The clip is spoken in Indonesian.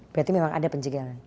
berarti memang ada pencegahan